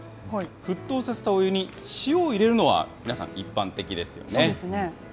沸騰させたお湯に塩を入れるのは皆さん、一般的ですよね。